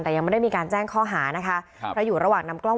ไทยไม่ได้มีการแจ้งข้อหานะคะเราอยู่ระหว่างนั้นกล้อง